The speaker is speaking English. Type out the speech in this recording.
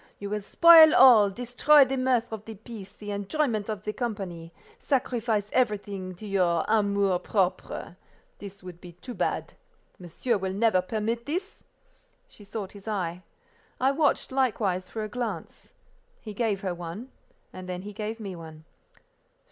"You will spoil all, destroy the mirth of the piece, the enjoyment of the company, sacrifice everything to your amour propre. This would be too bad—monsieur will never permit this?" She sought his eye. I watched, likewise, for a glance. He gave her one, and then he gave me one.